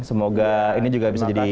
semoga ini juga bisa jadi